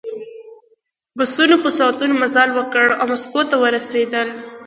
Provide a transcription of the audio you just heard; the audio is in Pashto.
بسونو په ساعتونو مزل وکړ او مسکو ته ورسېدل